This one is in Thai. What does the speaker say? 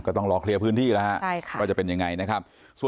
ต้องรอเคลียร์พื้นที่แล้วฮะว่าจะเป็นยังไงนะครับ